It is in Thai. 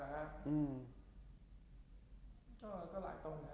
ก็หลายตรงนะครับ